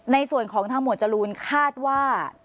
ในส่วนของทางหมวดจรูนคาดว่า